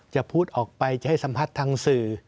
จะพูดออกไปจะให้สัมภาษณ์ทางสื่อ